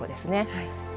はい。